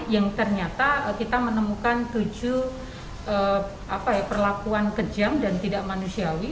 yang ternyata kita menemukan tujuh perlakuan kejam dan tidak manusiawi